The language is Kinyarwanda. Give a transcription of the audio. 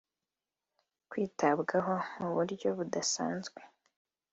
Kwitabwaho mu buryo budasanzwe